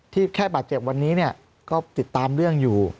แค่บาดเจ็บวันนี้ก็ติดตามเรื่องอยู่